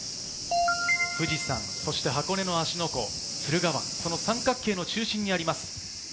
富士山、そして箱根の芦ノ湖、駿河湾、三角形の中心にあります